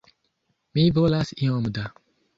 Mi volas iom da!